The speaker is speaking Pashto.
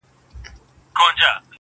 سم په لاره کی اغزی د ستوني ستن سي٫